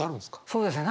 そうですね。